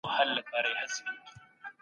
ولي د کلتور ساتل د خلګو حق دی؟